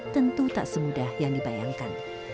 tentu tak semudah yang dibayangkan